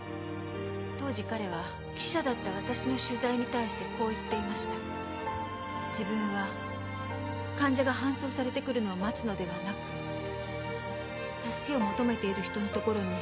当時彼は記者だった私の取材に対してこう言っていました「自分は患者が搬送されてくるのを待つのではなく」「助けを求めている人の所に」